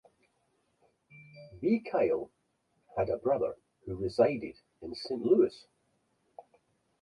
Bee Kyle had a brother who resided in Saint Louis.